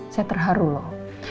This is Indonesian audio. saya terharu loh